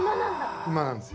今なんですよ。